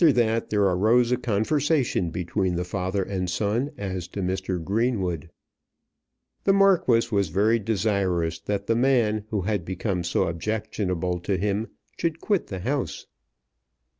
After that there arose a conversation between the father and son as to Mr. Greenwood. The Marquis was very desirous that the man who had become so objectionable to him should quit the house.